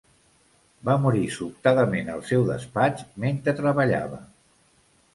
Va morir sobtadament al seu despatx mentre treballava.